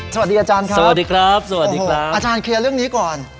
สวัสดีอาจารย์ครับอาจารย์เคลียร์เรื่องนี้ก่อน